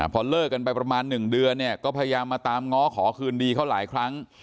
พอเลิกกันไปประมาณ๑เดือนเนี่ยก็พยายามมาตามง้อขอคืนดีเขาหลายครั้ง